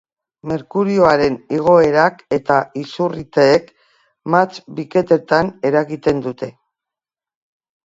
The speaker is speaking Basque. Merkurioaren igoerak eta izurriteek mahats-bilketetan eragiten dute.